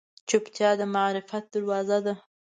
چوپتیا، د معرفت دروازه ده.